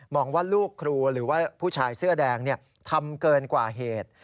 องว่าลูกครูหรือว่าผู้ชายเสื้อแดงทำเกินกว่าเหตุ